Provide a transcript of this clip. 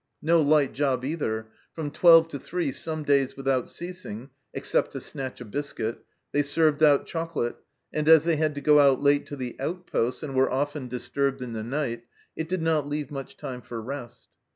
No light job, either ! From twelve to three some days without ceasing, except to snatch a biscuit, they served out chocolate, and as they had to go out late to the outposts, and were often disturbed in the night, it did not leave much time for rest.